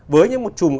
với những một chùm